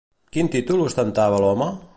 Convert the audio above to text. Quin títol ostentava l'home?